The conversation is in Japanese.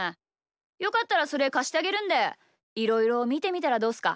よかったらそれかしてあげるんでいろいろみてみたらどうっすか？